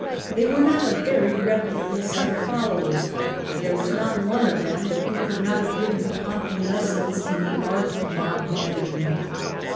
They were not a very reputable set of followers, hut there was not one of them who could not have given Pompey lessons in the art of mob management.